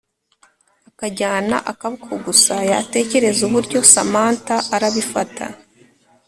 akajyana akaboko gusa yatekereza uburyo samantha arabifata